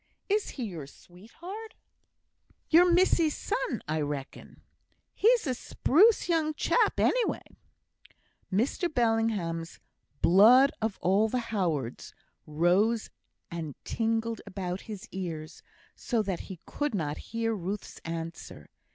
"Is he your sweetheart? Your missis's son, I reckon. He's a spruce young chap, anyhow." Mr Bellingham's "blood of all the Howards" rose and tingled about his ears, so that he could not hear Ruth's answer.